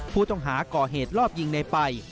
ผู้ต้องหาก่อเหตุลอบยิงในไป